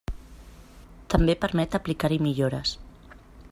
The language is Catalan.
També permet aplicar-hi millores.